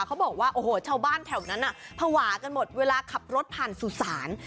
เขาบอกว่าโอ้โหชาวบ้านแถวนั้นภาวะกันหมดเวลาขับรถผ่านสุสาน